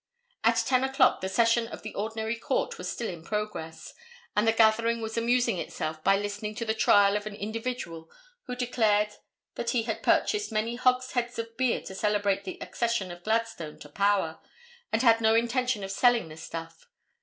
At 10 o'clock the session of the ordinary court was still in progress, and the gathering was amusing itself by listening to the trial of an individual who declared that he had purchased many hogsheads of beer to celebrate the accession of Gladstone to power, and had no intention of selling the stuff.